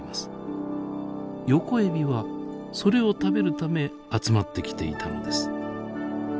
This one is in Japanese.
ヨコエビはそれを食べるため集まってきていたのです。